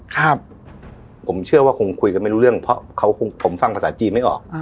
ครับผมเชื่อว่าคงคุยกันไม่รู้เรื่องเพราะเขาคงผมฟังภาษาจีนไม่ออก